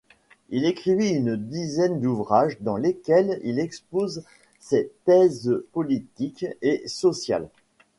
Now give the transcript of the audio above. Il écrivit une dizaine d'ouvrages dans lesquels il expose ses thèses politiques et sociales.